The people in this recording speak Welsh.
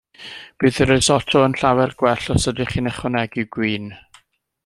Bydd y risotto yn llawer gwell os ydych chi'n ychwanegu gwin.